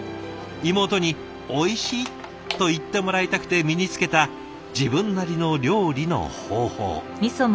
妹に「おいしい」と言ってもらいたくて身につけた自分なりの料理の方法。